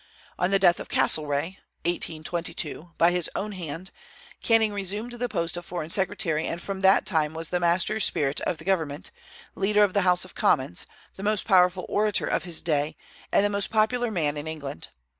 On the death of Castlereagh (1822) by his own hand, Canning resumed the post of foreign secretary, and from that time was the master spirit of the government, leader of the House of Commons, the most powerful orator of his day, and the most popular man in England.